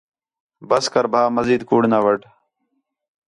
بس کر بَھا مزید کُوڑ نہ وَڈھ